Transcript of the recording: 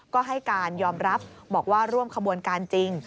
ก็ให้การยอมรับบอกว่าร่วมขบวนการจริง